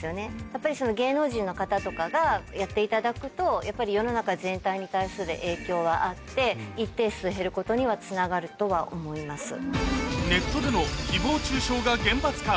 やっぱり芸能人の方とかがやっていただくと世の中全体に対する影響はあって一定数減ることにはつながるとは思います。